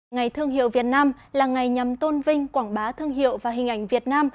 ngày thương hiệu việt nam là ngày nhằm tôn vinh quảng bá thương hiệu và hình ảnh việt nam